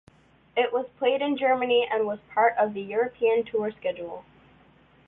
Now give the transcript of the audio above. It was played in Germany and was part of the European Tour schedule.